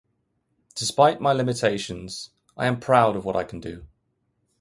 Despite my limitations, I am proud of what I can do.